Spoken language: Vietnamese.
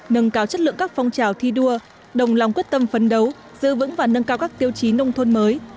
nâng cao chất lượng các phong trào thi đua đồng lòng quyết tâm phấn đấu giữ vững và nâng cao các tiêu chí nông thôn mới